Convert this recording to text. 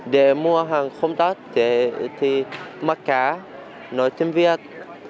để mua hàng không đắt thì mắc cá nói tiếng việt